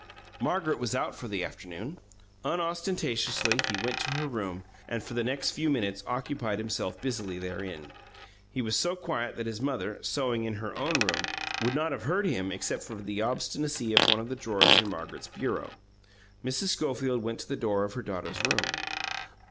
Margaret was out for the afternoon. Unostentatiously, he went to her room, and for the next few minutes occupied himself busily therein. He was so quiet that his mother, sewing in her own room, would not have heard him except for the obstinacy of one of the drawers in Margaret's bureau. Mrs. Schofield went to the door of her daughter's room.